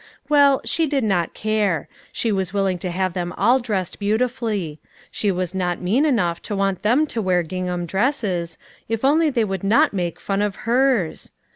Well, she did not care. She was willing to have them all dressed beautifully ; she was not mean enough to want them to wear gingham dresses, if only they would not make fun of hers.